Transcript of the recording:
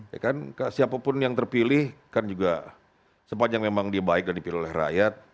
ya kan siapapun yang terpilih kan juga sepanjang memang dia baik dan dipilih oleh rakyat